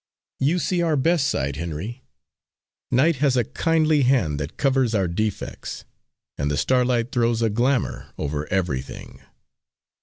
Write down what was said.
"You see our best side, Henry. Night has a kindly hand, that covers our defects, and the starlight throws a glamour over everything.